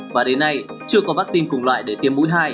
và đến nay chưa có vaccine cùng loại để tiêm mũi hai